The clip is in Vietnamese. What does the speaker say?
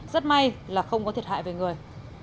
rất may là không có thiệt hại về người